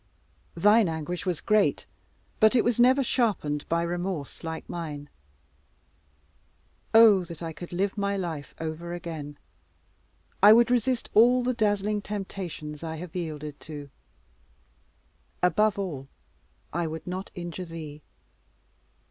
Thine anguish was great, but it was never sharpened by remorse like mine. Oh! that I could live my life over again. I would resist all the dazzling temptations I have yielded to above all, I would not injure thee.